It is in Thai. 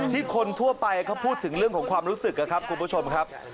คนทั่วไปเขาพูดถึงเรื่องของความรู้สึกนะครับคุณผู้ชมครับ